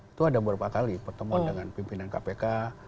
itu ada beberapa kali pertemuan dengan pimpinan kpk